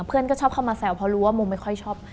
เพื่อนก็ชอบเข้ามาแซวเพราะรู้ว่ามุมไม่ค่อยชอบ